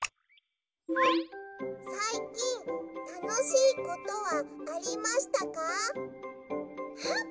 さいきんたのしいことはありましたか？